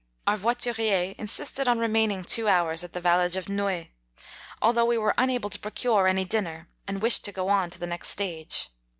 Our voiturier insisted on remaining two hours at the village of Noe, al though we were unable to procure any dinner, and wished to go on to the next stage.